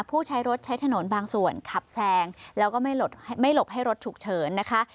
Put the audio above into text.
ผู้ใช้รถใช้ถนนบางส่วนขับแซงแล้วก็ไม่หลบให้รถฉุกเฉินนะคะ